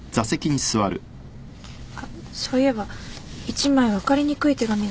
あっそういえば１枚分かりにくい手紙があって。